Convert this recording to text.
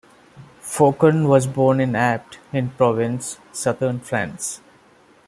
Faucon was born in Apt, in Provence, southern France.